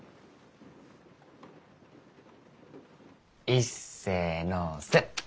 いっせのせ。